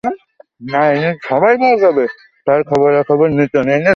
তাঁর খবরাখবর নিতেন।